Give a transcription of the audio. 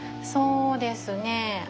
そうですね。